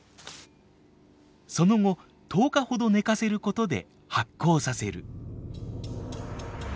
その後１０日ほど寝かせる事で発酵させる。